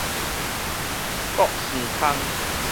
胳耳空